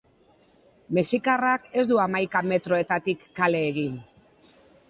Mexikarrak ez du hamaika metroetatik kale egin.